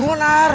ar buruan ar